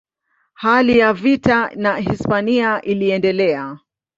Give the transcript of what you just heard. Hali ya vita na Hispania iliendelea.